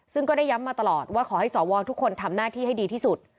ซึ่งก็ได้ย้ำมาตลอดว่าขอให้สวทุกคนทำหน้าที่ให้ดีที่สุด